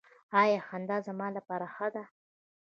ایا خندا زما لپاره ښه ده؟